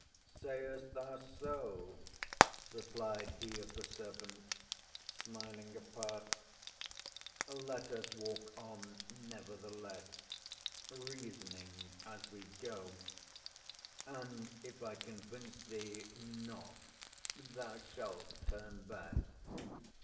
"Sayest thou so?" replied he of the serpent, smiling apart. "Let us walk on, nevertheless, reasoning as we go; and if I convince thee not thou shalt turn back.